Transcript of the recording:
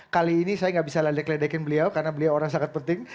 kali ini saya nggak bisa ledek ledekin beliau karena beliau orang sangat penting